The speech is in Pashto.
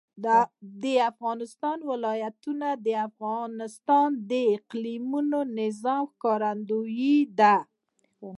د افغانستان ولايتونه د افغانستان د اقلیمي نظام ښکارندوی ده.